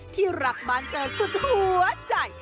ที่รักบ้านเธอสุดหัวใจ